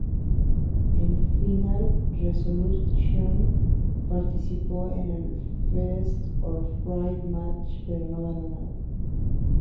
En Final Resolution participó en el Feast or Fired match, pero no ganó nada.